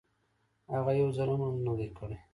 هغه يو ځل هم لمونځ نه دی کړی.